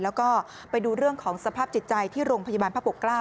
แล้วก็ไปดูเรื่องของสภาพจิตใจที่โรงพยาบาลพระปกเกล้า